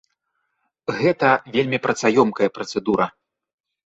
Гэта вельмі працаёмкая працэдура.